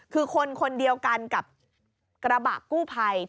คือคนคนเดียวกันกับกระบะกู้ภัย